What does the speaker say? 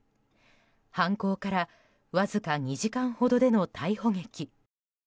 犯行から、わずか２時間ほどでの逮捕劇。